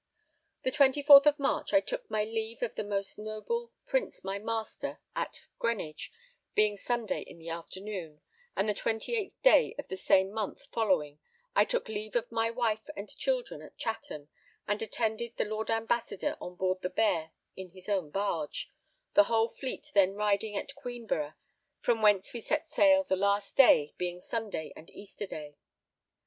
The 24th of March I took my leave of the most noble Prince my master at Greenwich, being Sunday in the afternoon; and the 28th day of the same month following I took leave of my wife and children at Chatham and attended the Lord Ambassador on board the Bear in his own barge, the whole fleet then riding at Queenborough, from whence we set sail the last day, being Sunday and Easter day.